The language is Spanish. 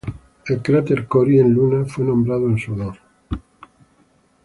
El cráter Cori en la Luna fue nombrado en su honor.